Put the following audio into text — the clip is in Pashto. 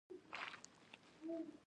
په خندا يې وويل رحمان بابا فرمايي.